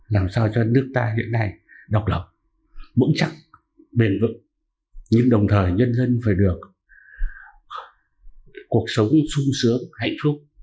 làm sao cho nước ta hiện nay độc lập vững chắc bền vững nhưng đồng thời nhân dân phải được cuộc sống sung sướng hạnh phúc